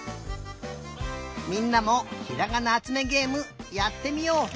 みんなも「ひらがなあつめげえむ」やってみよう。